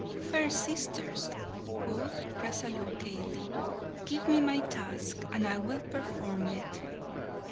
"Fair sisters!" quoth Rasalu gaily, "give me my task and I will perform it."